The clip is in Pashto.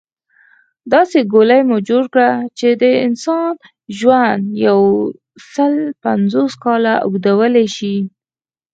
داسې ګولۍ مو جوړه کړه چې د انسان ژوند يوسل پنځوس کاله اوږدولی شي